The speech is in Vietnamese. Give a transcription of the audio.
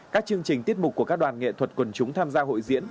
các chương trình tiết mục của các đoàn nghệ thuật quần chúng tham gia hội diễn